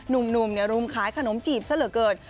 หนุ่มรุมขายขนมจีบซะเหลือเกิน